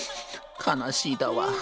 悲しいだわ。